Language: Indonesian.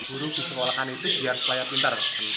burung disekolahkan itu biar seolah olah pintar